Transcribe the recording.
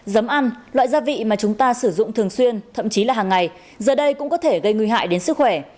giấm ăn loại gia vị mà chúng ta sử dụng thường xuyên thậm chí là hàng ngày giờ đây cũng có thể gây nguy hại đến sức khỏe